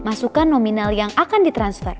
masukkan nominal yang akan ditransfer